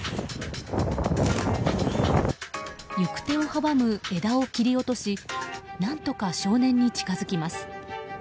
行く手を阻む枝を切り落とし何とか少年に近づきます。